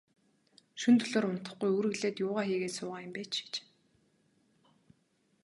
Шөнө дөлөөр унтахгүй, үүрэглээд юугаа хийгээд суугаа юм бэ, чи чинь.